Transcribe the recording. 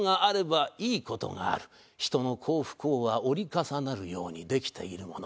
人の幸不幸は折り重なるようにできているもの。